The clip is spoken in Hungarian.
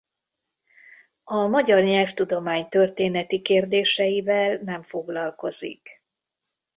A magyar nyelvtudomány történeti kérdéseivel nem foglalkozik.